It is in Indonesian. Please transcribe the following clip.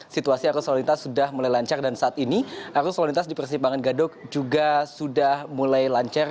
situasi arus lalu lintas sudah mulai lancar dan saat ini arus lalu lintas di persimpangan gadok juga sudah mulai lancar